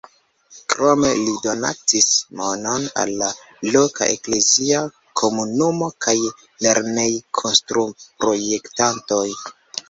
Krome li donacis monon al la loka eklezia komunumo kaj lernejkonstruprojektantoj.